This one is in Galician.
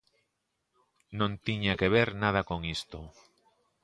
Non tiña que ver nada con isto.